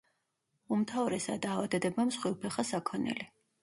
უმთავრესად ავადდება მსხვილფეხა საქონელი.